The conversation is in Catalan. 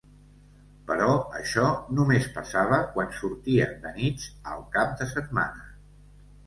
Però això només passava quan sortien de nits al cap de setmana.